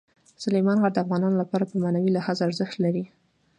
سلیمان غر د افغانانو لپاره په معنوي لحاظ ارزښت لري.